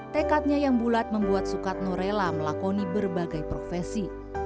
tekadnya yang bulat membuat sukatno rela melakoni berbagai profesi